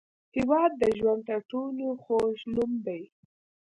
هېواد د ژوند تر ټولو خوږ نوم دی.